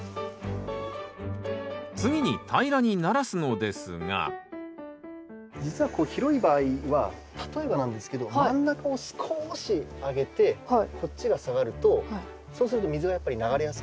次に平らにならすのですが実はこう広い場合は例えばなんですけど真ん中を少し上げてこっちが下がるとそうすると水がやっぱり流れやすくなるので。